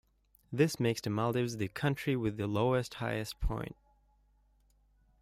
This makes the Maldives the country with the lowest highest point.